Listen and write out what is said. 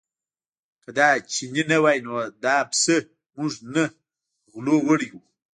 که دا چینی نه وای نو دا پسه موږ نه غلو وړی و.